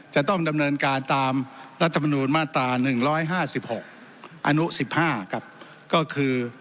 จะต้องดำเนินการตามรัฐมนูลมาตรา๑๕๖อนุ๑๕ครับก็คือ